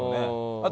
あと